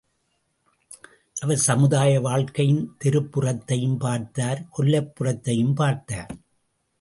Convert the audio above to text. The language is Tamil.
அவர் சமுதாய வாழ்க்கையின் தெருப்புறத்தையும் பார்த்தார் கொல்லைப்புறத்தையும் பார்த்தார்.